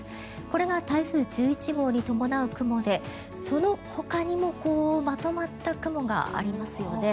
これが台風１１号に伴う雲でそのほかにもこう、まとまった雲がありますよね。